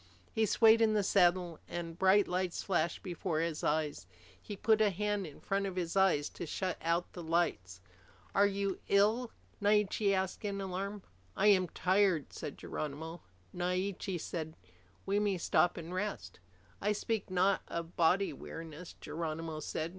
He swayed in the saddle, and bright lights flashed before his eyes. He put a hand in front of his eyes to shut out the lights. "Are you ill?" Naiche asked in alarm. "I am tired," said Geronimo. Naiche said, "We may stop and rest." "I speak not of body weariness," Geronimo said.